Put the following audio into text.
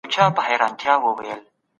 دا د حجابونو لور